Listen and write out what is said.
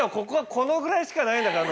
このぐらいしかないんだからのりしろ。